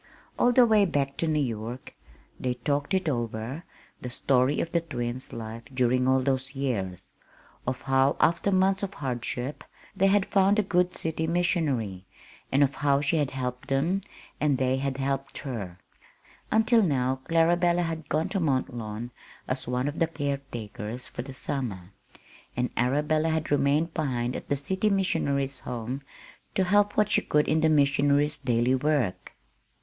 All the way back to New York they talked it over the story of the twins' life during all those years; of how after months of hardship, they had found the good city missionary, and of how she had helped them, and they had helped her, until now Clarabella had gone to Mont Lawn as one of the caretakers for the summer, and Arabella had remained behind at the missionary's home to help what she could in the missionary's daily work.